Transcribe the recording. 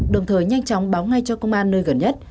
đồng thời nhanh chóng báo ngay cho công an nơi gần nhất